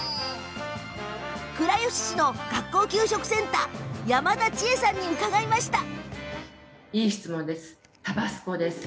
倉吉市の学校給食センター山田智恵さんに伺いました。